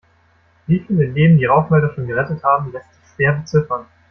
Wie viele Leben die Rauchmelder schon gerettet haben, lässt sich schwer beziffern.